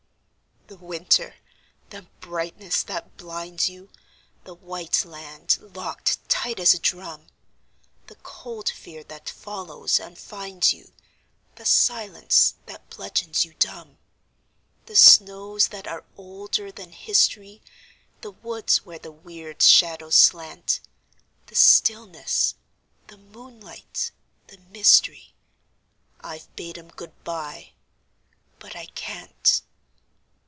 The winter! the brightness that blinds you, The white land locked tight as a drum, The cold fear that follows and finds you, The silence that bludgeons you dumb. The snows that are older than history, The woods where the weird shadows slant; The stillness, the moonlight, the mystery, I've bade 'em good by but I can't.